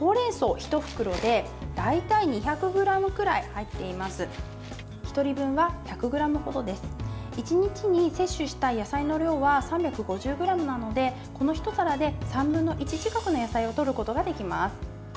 １日に摂取したい野菜の量は３５０ｇなので、このひと皿で３分の１近くの野菜をとることができます。